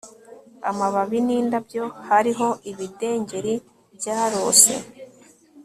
amababi n'indabyo. hariho ibidengeri byarose